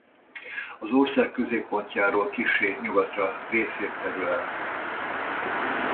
Az ország középpontjáról kissé nyugatra részén terül el.